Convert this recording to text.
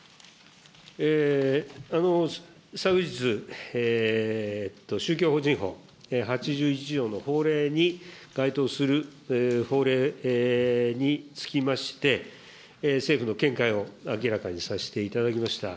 昨日、宗教法人法８１条の法令に該当する法令につきまして、政府の見解を明らかにさせていただきました。